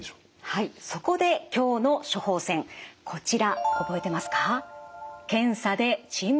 はいそこで今日の処方せんこちら覚えてますか？